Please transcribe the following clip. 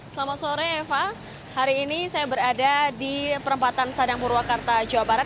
selamat sore eva hari ini saya berada di perempatan sadang purwakarta jawa barat